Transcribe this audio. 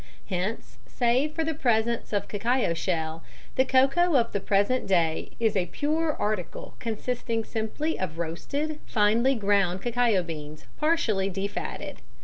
Hence, save for the presence of cacao shell, the cocoa of the present day is a pure article consisting simply of roasted, finely ground cacao beans partially de fatted.